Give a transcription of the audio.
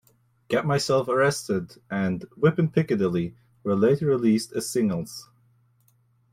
"Get Myself Arrested" and "Whippin' Piccadilly" were later released as singles.